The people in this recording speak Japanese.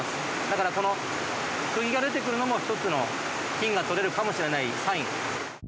だからこの釘が出てくるのもひとつの金が採れるかもしれないサイン。